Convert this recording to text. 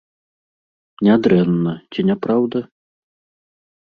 Нядрэнна, ці не праўда?